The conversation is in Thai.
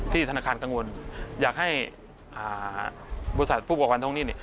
ที่ธนาคารกังวลอยากให้บริษัทผู้ประความทวงหนี้